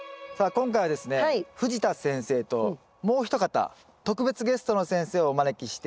今回はですね藤田先生ともうひと方特別ゲストの先生をお招きして。